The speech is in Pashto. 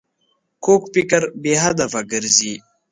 کوږ فکر بې هدفه ګرځي